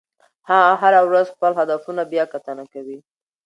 هغه هره ورځ خپل هدفونه بیاکتنه کوي.